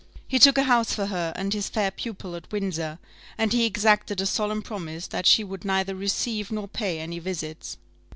He took a house for her and his fair pupil at Windsor, and he exacted a solemn promise that she would neither receive nor pay any visits.